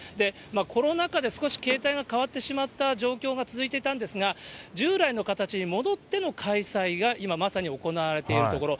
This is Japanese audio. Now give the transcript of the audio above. コロナ禍で少し形態が変わってしまった状況が続いてたんですが、従来の形に戻っての開催が、今まさに行われているところ。